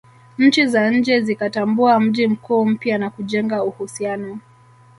Nchi za nje zikatambua mji mkuu mpya na kujenga uhusiano